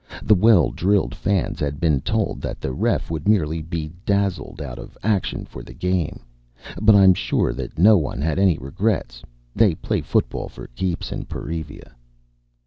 The well drilled fans had been told that the ref would merely be dazzled out of action for the game. But I'm sure that no one had any regrets; they play football for keeps in Perivia.